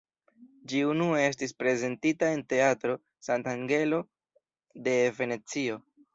Ĝi unue estis prezentita en Teatro Sant'Angelo de Venecio.